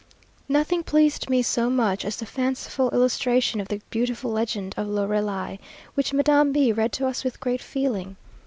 Nothing pleased me so much as the fanciful illustration of the beautiful legend of Lorelei, which Madame B read to us with great feeling.